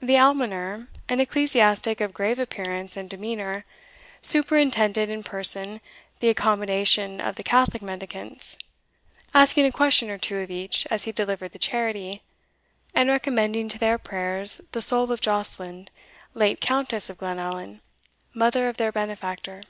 The almoner, an ecclesiastic of grave appearance and demeanour, superintended in person the accommodation of the Catholic mendicants, asking a question or two of each as he delivered the charity, and recommending to their prayers the soul of Joscelind, late Countess of Glenallan, mother of their benefactor.